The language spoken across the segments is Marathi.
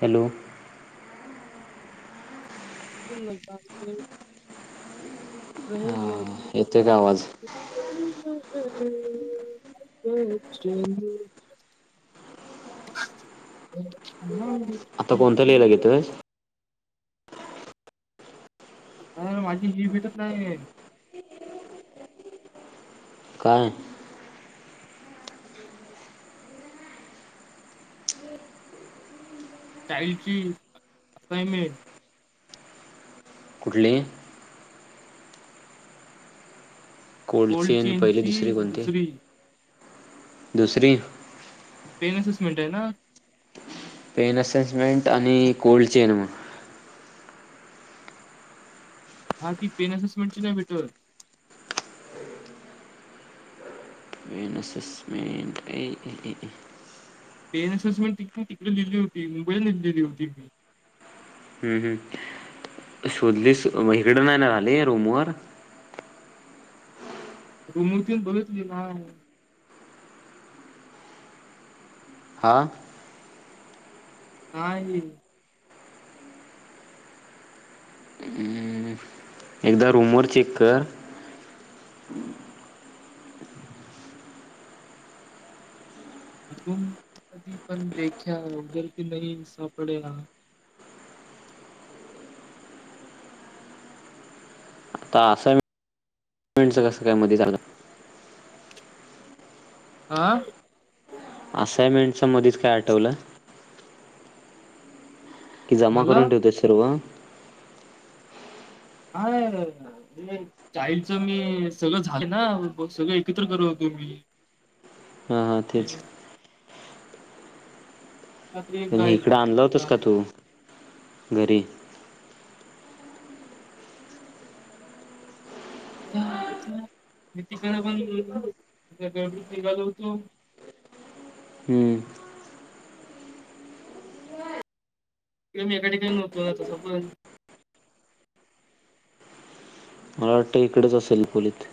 हॅलो. [unintelligible] यते का आवाज? [unintelligible] आता कोणतं लिहिला घेतय? आता माझी ही भीटत नाही आहे. काय? चाईल्ड ची असाइनमेंट. कुठली? कोल्ड चेन पहिले चेनची दुसरे कोणते? दुसरी दुसरी? पेनसेसमेंट आहे ना? पेन अससमेंट आणि कोल्ड चेन हा ती पेन असेसमेंटची नाही भेटत. पेन असेसमेंट ए ए ए ए. पेन अससमेंट टिकून तिकडं लिहिली नाही होती मोबाईल लिहिले होते मी. हम्म हम्म शोधलीस इकडे नाही ना राहाली रूमवर त मूर्तीन बोलतली नाय. हा. हा ये. हम्म. एकदा रूमवर चेक कर. रूम मधी पण देख्या उदर भी नाही सापड्या. आता असेंटच [unintelligible] कसं काय मध्ये झालं. आ असाइनमेंटच मध्येच काय आठवलं? की जमा मला करून ठेवतेय सर्व? हा हे चाइल्ड मी सगळं झालं ना सगळं एकत्र करत होतो मी. हा तेथच. रात्री आणि गायब इकडं व्हायचा आणलं होतस आता का तू घरी? [unintelligible] मी तिकडे पण गर्दीत निघाल होतो. हम्म. तिकडं मी एका ठिकाणी नव्हतो तसा पण. मला वाटतं इकडेच असेल खोलीत.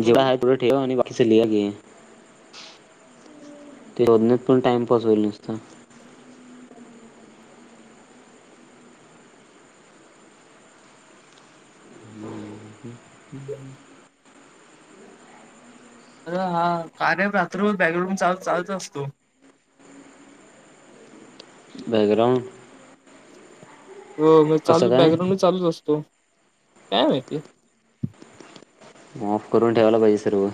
जिकड आहे तेवढं ठेवा आणि [unintelligible] ते वदनत पण टाइमपास होईल नसत अर हा कार्य रात्र बॅकग्राउंड चाल चालत असतो. बॅकग्राऊंड? हो चाल कसं काय बॅकग्रांड चालूच असतो. काय माहिती? ऑफ करून ठेवाला पाहिजे सर्व.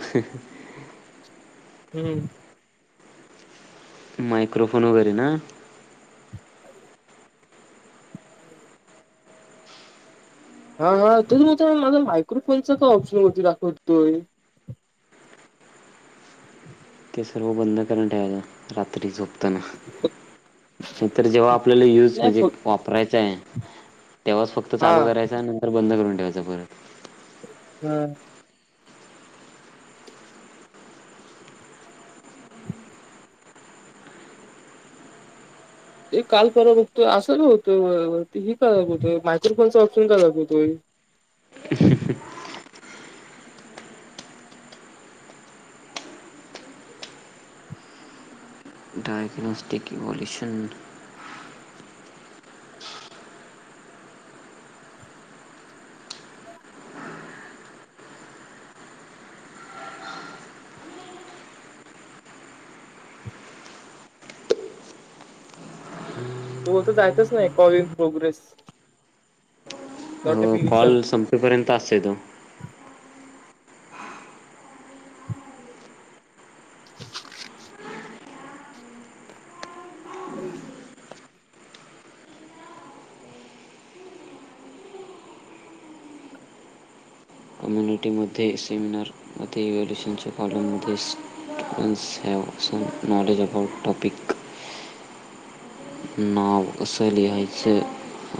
हम्म मायक्रोफोन वगैरे ना. हम्म [unintelligible] हा हा तेच म्हणतोय, माझा मायक्रोफोनचा का ऑप्शन वरती दाखवतोय. ते सर्व बंद करून ठेवायला रात्री झोप त न नाहीतर जेव्हा आपल्याला युज नाही म्हणजे फक्त वापरायचा आहे. तेव्हाच फक्त हा चालू करायच नंतर बंद करून त्याच्या परत. का ते काल पररा बघतोय असं होत. ह काय दाखवतोय मायक्रोफोनचा ऑप्शन काय दाखवतोय. [unintelligible] प्लास्टिक इ व्होल्यूशन. त तर [unintelligible] जायचच नाही call in progress notification call संपेपर्यंत असते तो. [inaudible] हम् मध्ये सेमिनारमध्ये इव्हल्युशनच्या कॉलममध्ये students have some knowledge about topic. नाव असं लिहायचं,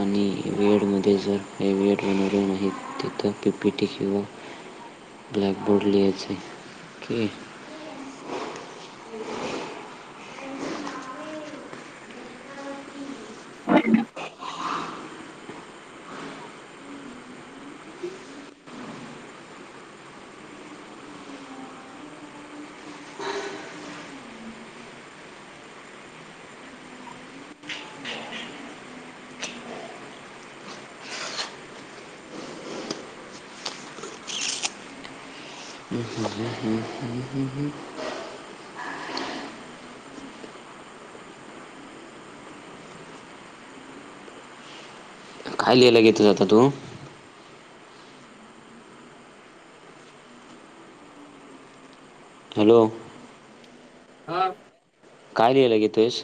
आणि वेळ मध्ये जर हे [unintelligible] वड बन मा तर पी पी टी किंवा ब्लॅकबोर्ड लिहायचं आहे की काय लिहायला घेतलं आता तू. हॅलो. हा. काय लिहियला घेतोस.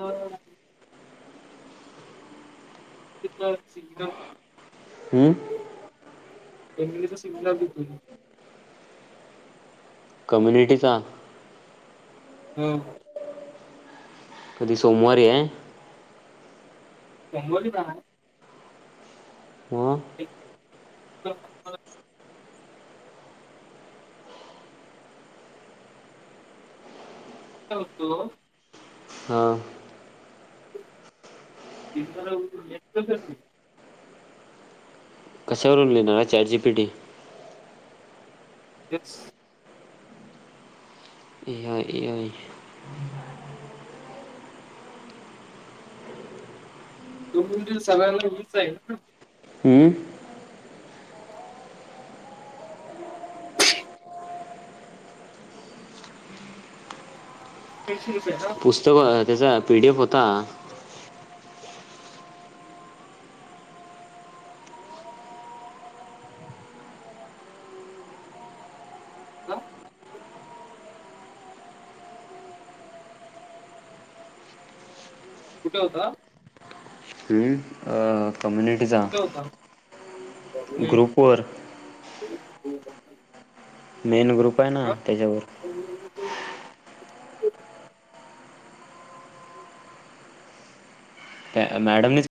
हो [unintelligible] तिक [unintelligible] हम्म. एंगचा सिमलर बि होतोय की. [unintelligible] कम्युनिटीचा हम. कधी सोमवारी याय. त्र्यंबोलीत हाय ना? मग टेक. [unintelligible] काय होतो हां [inaudible] [unintelligible] येतो चल मी. कशावरून लिहिणार हाय? Chat G P T. तेच ए आय ए तु म्हणजे सगळ्यांना मीच आहे ना? आय कॅल्सी लेस पुस्तक वा [unintelligible] त्याचा पीडीएफ होता. का? कुठे होता? हम्म कम्युनिटीचा. कुठे होता ग्रुपवर मेन ग्रुप. उपाय ना हा? त्याच्यावर. त्या मॅडमनीच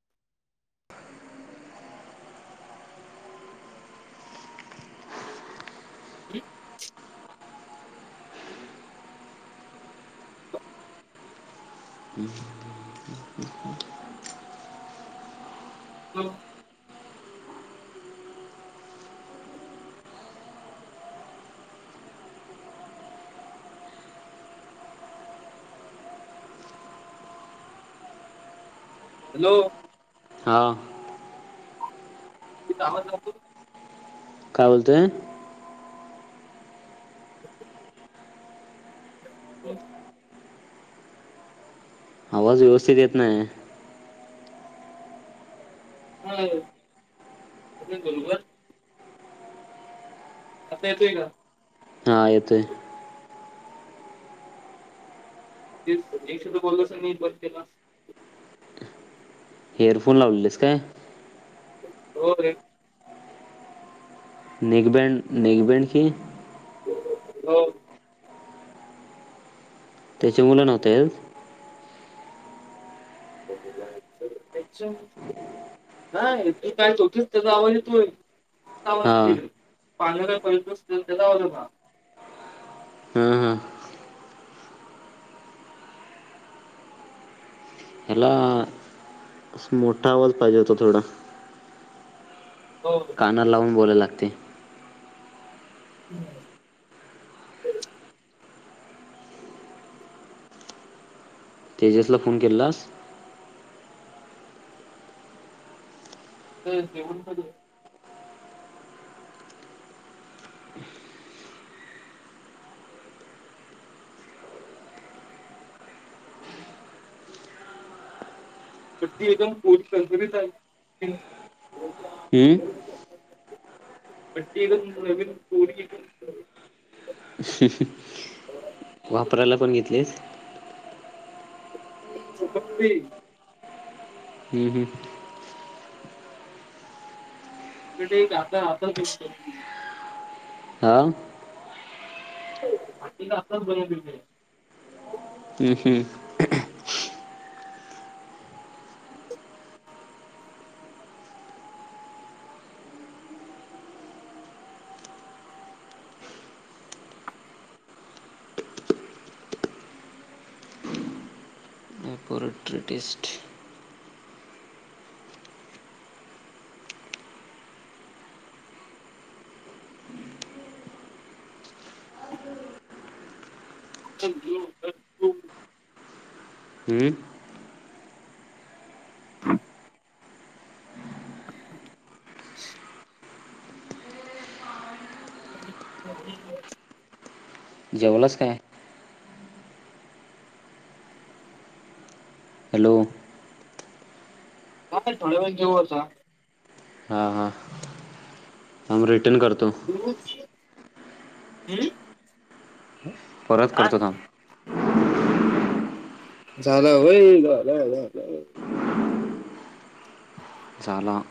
[inaudible] हो. हॅलो हा. तिथ आवाज जातो का? काय बोलतोय? हो. आवाज व्यवस्थित येत नाही हाय. काय? [inaudible] आता येतोय का? हा येतोय. ते एक सुद्धा कॉल नसलं मी बंद केलास एअरफोन लावलेलीस काय? हो रे. नेक बँड, नेक बॅण्डची हो. त्याचे मुलं नव्हते [unintelligible] नाही रे ती काय? [inaudible] [unintelligible] तिकडन आवाज येतोय. हा पाळण्या काय पडत नसतील, त्याचा आवाज येत होता. [inaudible] हां हां ह्याला असं मोठा आवाज पाहिजे होता थोडा. हो. कानाला लावून बोलायला लागतय. [unintelligible] तेजसला फोन केलेलास? तर जेवण कधीय पट्टी एकदम कोरी करकरीत आलती. हम्म पटी एकदम नवीन कोरी [unintelligible] हम्हम्हम वापरायला पण घेतलेस चमकतय हम्म हम् क एक आता आता कस आ वा असच ब [unintelligible] हम् ट्रेटिस्ट अ हम्म [inaudible] [inaudible] सजी जेवलास काय? हॅलो का थोड्या वेळात जेऊ आता हां हां थांब रिटर्न करतो. त हम परत करतो थांब. झाला व्यय झाल अअअ झाला